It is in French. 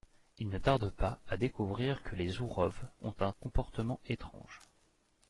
Il ne tarde pas à découvrir que les Zourov ont un comportement étrange.